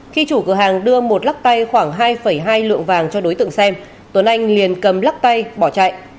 khi chủ cửa hàng đưa một lắc tay khoảng hai hai lượng vàng cho đối tượng xem tuấn anh liền cầm lắc tay bỏ chạy